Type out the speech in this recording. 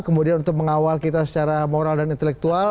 kemudian untuk mengawal kita secara moral dan intelektual